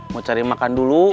mau cari makan dulu